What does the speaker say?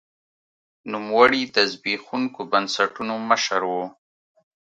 نوموړي د زبېښونکو بنسټونو مشر و.